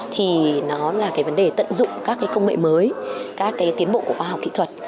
thì nó là cái vấn đề tận dụng các cái công nghệ mới các cái tiến bộ của khoa học kỹ thuật